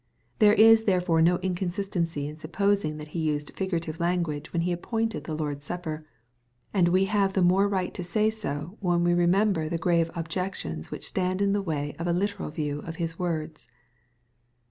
There is therefore no inconsistency in supposing that He used figurative language when He appointed the Lord's Supper ; and we have the more right to say so, when we remember the grave objections which stand in the way of a literal view of His words.